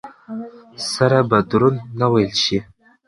سره به دروند نه وېل شي.